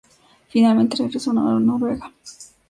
Finalmente regresó a Noruega.